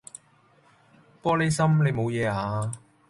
玻璃心，你冇嘢啊？